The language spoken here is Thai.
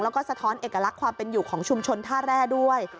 แล้วก็สะท้อนเอกลักษณ์ความเป็นอยู่ของชุมชนท่าแร่ด้วย